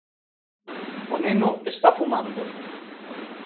O neno está fumando!